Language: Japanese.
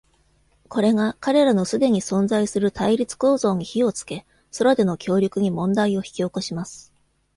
これが彼らの既に存在する対立構造に火をつけ、空での協力に問題を引き起こします。